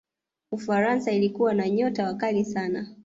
ufaransa ilikuwa na nyota wakali sana